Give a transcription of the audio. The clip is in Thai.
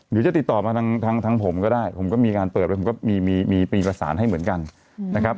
หรือจะติดต่อมาทางผมก็ได้ผมก็มีการเปิดไว้ผมก็มีปีประสานให้เหมือนกันนะครับ